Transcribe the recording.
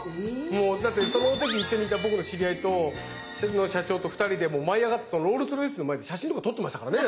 もうだってその時一緒にいた僕の知り合いと社長と２人でもう舞い上がってそのロールスロイスの前で写真とか撮ってましたからね。